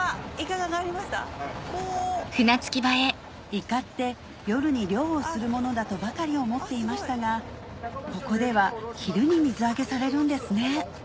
イカって夜に漁をするものだとばかり思っていましたがここでは昼に水揚げされるんですね